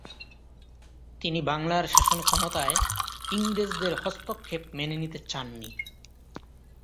তিনি বাংলার শাসন ক্ষমতায় ইংরেজদের হস্তক্ষেপ মেনে নিতে চাননি।